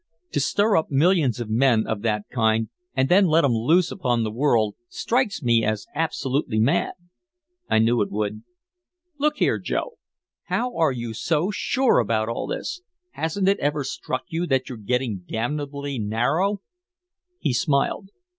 "To stir up millions of men of that kind and then let 'em loose upon the world strikes me as absolutely mad!" "I knew it would." "Look here, Joe, how are you so sure about all this? Hasn't it ever struck you that you're getting damnably narrow?" He smiled.